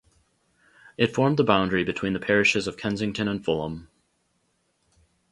It formed the boundary between the parishes of Kensington and Fulham.